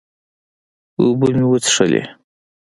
اوبۀ مې وڅښلې